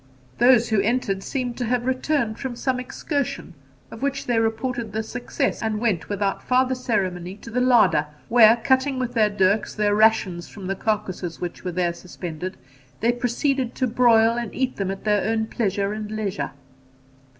Those who entered seemed to have returned from some excursion, of which they reported the success, and went without farther ceremony to the larder, where, cutting with their dirks their rations from the carcasses which were there suspended, they proceeded to broil and eat them at their own pleasure and leisure.